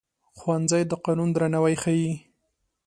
ښوونځی د قانون درناوی ښيي